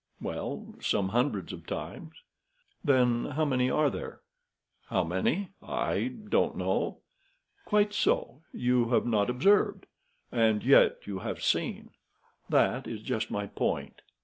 "Well, some hundreds of times." "Then how many are there?" "How many? I don't know." "Quite so! You have not observed. And yet you have seen. That is just my point.